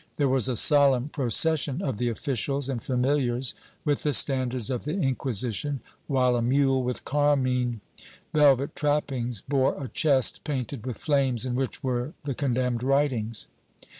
There w^as a solemn procession of the officials and familiars, with the standards of the Inquisition, while a mule with carmine velvet trappings bore a chest painted with flames in which were the condemned writings.